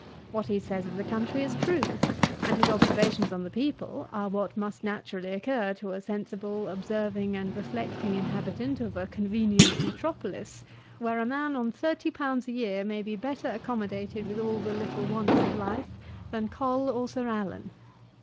What he says of the country is true; and his observations on the people are what must naturally occur to a sensible, observing, and reflecting inhabitant of a convenient metropolis, where a man on thirty pounds a year may be better accommodated with all the little wants of life, than Col or Sir Allan.